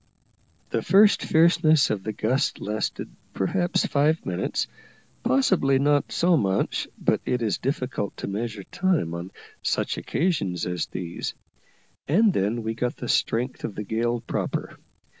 The first fierceness of the gust lasted perhaps five minutes, possibly not so much, but it is difficult to measure time on such occasions as these, and then we got the strength of the gale proper.